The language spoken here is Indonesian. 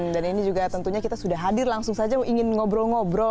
dan ini juga tentunya kita sudah hadir langsung saja ingin ngobrol ngobrol